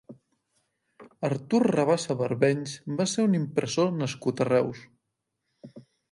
Artur Rabassa Barbenys va ser un impressor nascut a Reus.